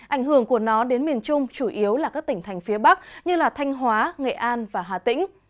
ảnh hưởng của nó đến miền trung chủ yếu là các tỉnh thành phía bắc như thanh hóa nghệ an và hà tĩnh